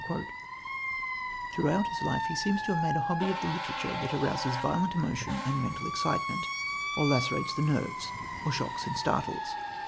" Throughout his life he seems to have made a hobby of the literature that arouses violent emotion and mental excitement, or lacerates the nerves, or shocks and startles.